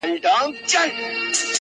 بېزاره به سي خود يـــاره له جنگه ككـرۍ؛